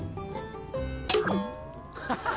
ハハハ！